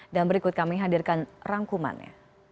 dan berikut kami hadirkan rangkumannya